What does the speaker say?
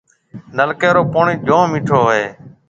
نلڪيَ رو پوڻِي جوم مِيٺو هوئي هيَ۔